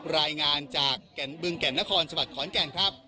รายงานจากเบื้องแก่มนครสวัสดีขอนแก่งครับ